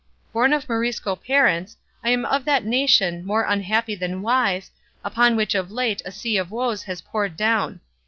"Born of Morisco parents, I am of that nation, more unhappy than wise, upon which of late a sea of woes has poured down.